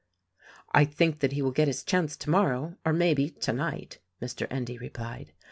"I think that he will get his chance tomorrow, or maybe, tonight," Mr. Endy replied.